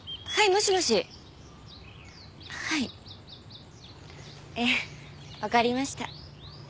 もしもしはいええ分かりました